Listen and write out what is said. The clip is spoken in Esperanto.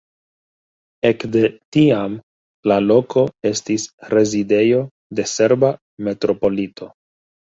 Ekde tiam la loko estis rezidejo de serba metropolito.